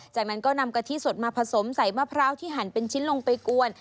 จากนั้นก็นำกะทิสดมาผสมใส่มะพร้าวที่หั่นเป็นชิ้นลงไปกวน